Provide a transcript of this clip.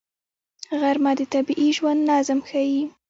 غرمه د طبیعي ژوند نظم ښيي